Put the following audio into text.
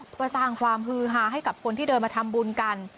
เพื่อสร้างความฮือฮาให้กับคนที่เดินมาทำบุญกัน